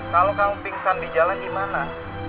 kalau kamu pingsan di jalan gimana